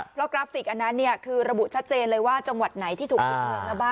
เพราะกราฟิกอันนั้นคือระบุชัดเจนเลยว่าจังหวัดไหนที่ถูกปิดเมืองแล้วบ้าง